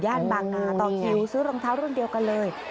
บางนาต่อคิวซื้อรองเท้ารุ่นเดียวกันเลย